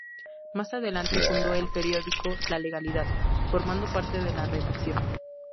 Más adelante fundó el periódico "La Legalidad", formando parte de la redacción.